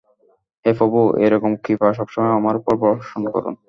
হে প্রভু, এরকম কৃপা সবসময়ই আমার উপর বর্ষণ করুন।